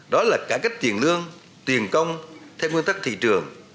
đó là cải cách tiền lương tiền công theo nguyên tắc thị trường